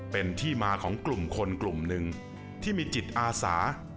เป็นที่มาของกลุ่มคนกลุ่มหนึ่งที่มีจิตอาสา